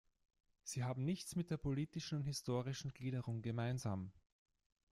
Sie haben nichts mit der politischen und historischen Gliederung gemeinsam.